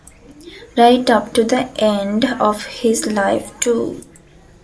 Right up to the end of his life too.